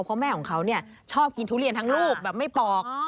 เพราะแม่ของเขาชอบกินทุเรียนทั้งลูกแบบไม่ปอก